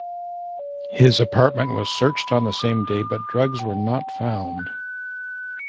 His apartment was searched on the same day but drugs were not found.